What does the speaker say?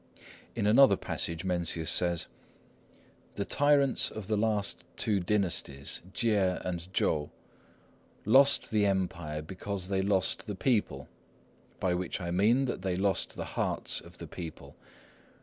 In another passage Mencius says: "The tyrants of the last two dynasties, Chieh and Chou, lost the Empire because they lost the people, by which I mean that they lost the hearts of the people.